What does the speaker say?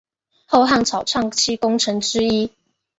后汉草创期功臣之一。